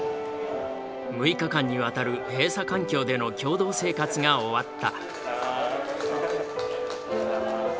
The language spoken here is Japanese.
６日間にわたる閉鎖環境での共同生活が終わった。